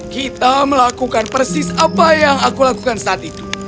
kita harus melakukan apa yang aku lakukan saat itu